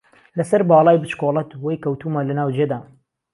له سهر باڵای بچکۆلهت وهی کهوتوومه له ناو جێدام